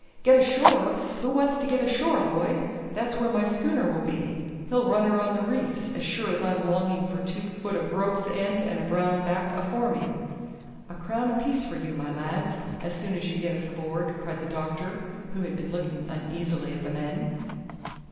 "Get ashore! Who wants to get ashore, boy? That's where my schooner will be. He'll run her on the reefs, as sure as I'm longing for two foot of rope's end and a brown back afore me." "A crown apiece for you, my lads, as soon as you get us aboard," cried the doctor, who had been looking uneasily at the men.